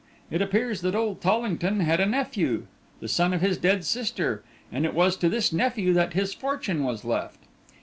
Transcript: It appears that old Tollington had a nephew, the son of his dead sister, and it was to this nephew that his fortune was left.